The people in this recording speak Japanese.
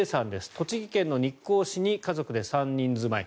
栃木県の日光市に３人住まい。